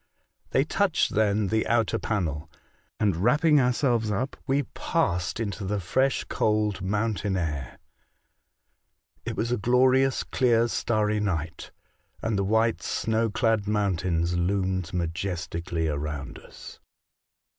They touched then the outer panel, and, wrapping ourselves up, we passed into tbe fresh, cold, mountain air. It was a glorious, clear, starry night, and the white, snow clad mountains loomed majestically around us.